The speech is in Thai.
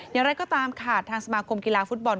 อย่างไรก็ตามค่ะทางสมาคมกีฬาฟุตบอล